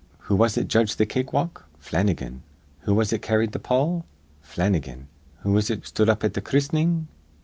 Who was it judged th' cake walk? Flannigan. Who was it carrid th' pall? Flannigan. Who was it sthud up at th' christening?